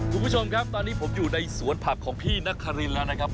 คุณผู้ชมครับตอนนี้ผมอยู่ในสวนผักของพี่นครินแล้วนะครับ